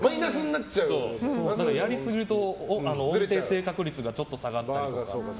やりすぎると音程正確率がちょっと下がったりとか。